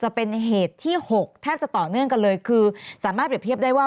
จะเป็นเหตุที่๖แทบจะต่อเนื่องกันเลยคือสามารถเปรียบเทียบได้ว่า